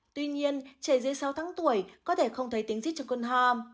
tuy nhiên trẻ dưới sáu tháng tuổi có thể không thấy tiếng dít trong cơn hò